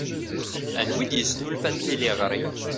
Anwa d-yesnulfan tiliɣri?